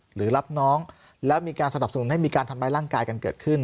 หรือรับน้องแล้วมีการสนับสนุนให้มีการทำร้ายร่างกายกันเกิดขึ้น